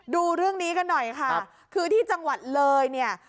ดูเรื่องนี้กันหน่อยค่ะคือที่จังหวัดเลยเนี่ย